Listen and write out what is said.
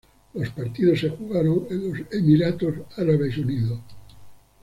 Los partidos se jugaron en los Emiratos Árabes Unidos.